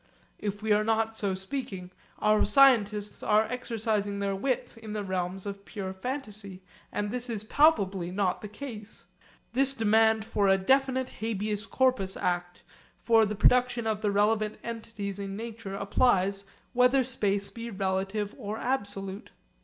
If we are not so speaking, our scientists are exercising their wits in the realms of pure fantasy, and this is palpably not the case. This demand for a definite Habeas Corpus Act for the production of the relevant entities in nature applies whether space be relative or absolute.